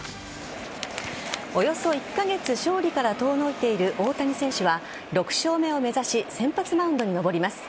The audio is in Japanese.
およそ１カ月勝利から遠のいている大谷選手は６勝目を目指し先発マウンドに登ります。